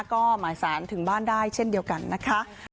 ก็หมายสารถึงบ้านได้เช่นเดียวกันนะคะ